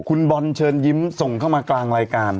คุณบอลเชิญยิ้มส่งเข้ามากลางรายการ